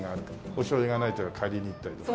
おしょうゆがないと借りに行ったりとかね。